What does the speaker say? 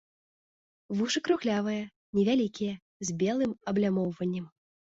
Вушы круглявыя, невялікія, з белым аблямоўваннем.